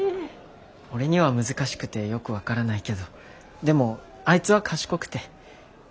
俺には難しくてよく分からないけどでもあいつは賢くて。